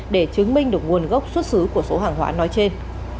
để chứng minh được nguồn gốc xuất xứ của số hàng hóa nói trên